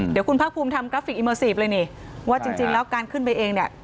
เดี๋ยวคุณภาคภูมิทำกราฟิกอิเมอร์ซีฟเลยนี่ว่าจริงแล้วการขึ้นไปเองเนี่ย